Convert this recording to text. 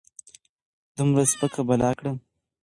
دومره سپک بلاک کړۀ